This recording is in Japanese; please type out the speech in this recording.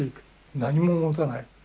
何も持たない。